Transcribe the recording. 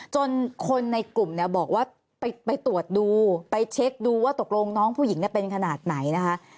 จนคนในกลุ่มเนี่ยบอกว่าไปตรวจดูไปเช็คดูว่าตกลงน้องผู้หญิงเป็นขนาดไหนนะคะ